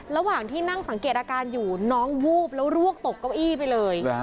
ระหว่างที่นั่งสังเกตอาการอยู่น้องวูบแล้วรวกตกเก้าอี้ไปเลย